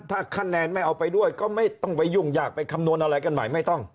ถ้าคะแนนไม่เอาไปด้วยก็ไม่ต้องไปยุ่งยากไปคำนวณอะไรกันใหม่ไม่ต้อง